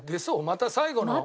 また最後の。